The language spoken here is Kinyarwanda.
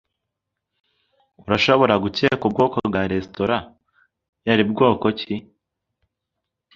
Urashobora gukeka ubwoko bwa resitora yari bwoko ki?